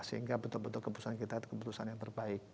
sehingga betul betul keputusan kita itu keputusan yang terbaik